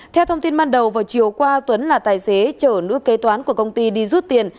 theo thông tin ban đầu vào chiều qua tuấn là tài xế chở nữ kê toán của công ty đi rút tiền